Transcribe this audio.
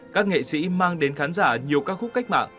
các nghệ sĩ mang đến khán giả nhiều ca khúc cách mạng